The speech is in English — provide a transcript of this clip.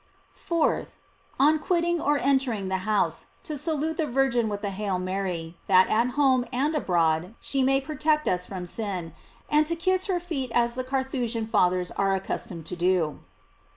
4th. On quitting or entering the house, to salute the Virgin with a "Hail Mary," that at home and abroad she may protect us from sin, and to kiss her feet as the Carthusian Fathers are accustomed to do.